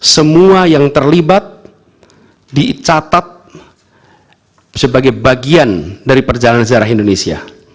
semua yang terlibat dicatat sebagai bagian dari perjalanan sejarah indonesia